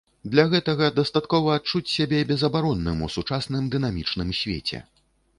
Для гэтага дастаткова адчуць сябе безабаронным у сучасным дынамічным свеце.